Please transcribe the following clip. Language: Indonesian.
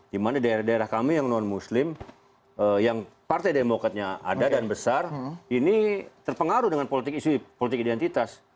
dimana daerah daerah kami yang non muslim yang partai demokratnya ada dan besar ini terpengaruh dengan politik isu politik identitas